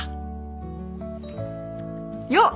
よっ！